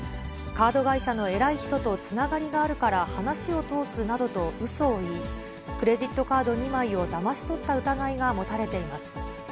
カード会社の偉い人とつながりがあるから話を通すなどとうそを言い、クレジットカード２枚をだまし取った疑いが持たれています。